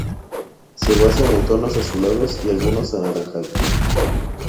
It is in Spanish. Se basa en tonos azulados y algunos anaranjados.